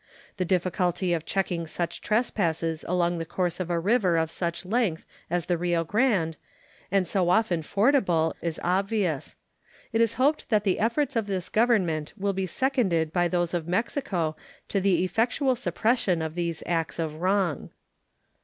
The difficulty of checking such trespasses along the course of a river of such length as the Rio Grande, and so often fordable, is obvious. It is hoped that the efforts of this Government will be seconded by those of Mexico to the effectual suppression of these acts of wrong.